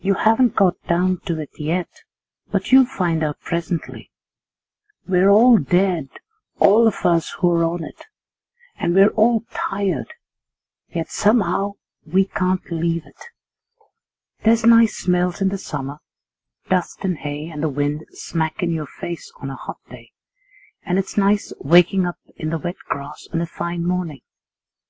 You haven't got down to it yet, but you'll find out presently. 'We're all dead, all of us who're on it, and we're all tired, yet somehow we can't leave it. There's nice smells in the summer, dust and hay and the wind smack in your face on a hot day; and it's nice waking up in the wet grass on a fine morning.